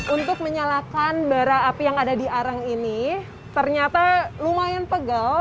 untuk menyalakan bara api yang ada di arang ini ternyata lumayan pegal